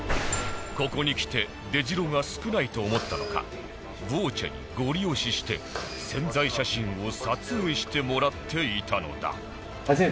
ここにきて出じろが少ないと思ったのか『ＶＯＣＥ』にゴリ押しして宣材写真を撮影してもらっていたのだ